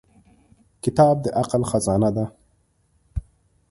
• کتاب د عقل خزانه ده.